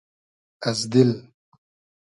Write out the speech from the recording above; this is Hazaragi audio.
از دیل